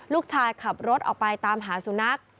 ขับรถออกไปตามหาสุนัข